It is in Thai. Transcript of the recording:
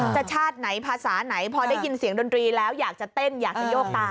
ชาติไหนภาษาไหนพอได้ยินเสียงดนตรีแล้วอยากจะเต้นอยากจะโยกตา